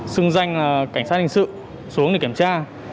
xưng danh là cảnh sát hình sự xuống để kiểm tra